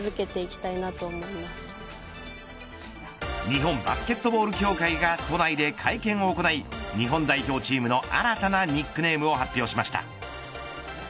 日本バスケットボール協会が都内で会見を行い日本代表チームの新たなニックネームを発表しました。